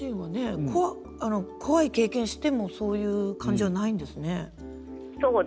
怖い経験をしてもそういう感じじゃないんですね。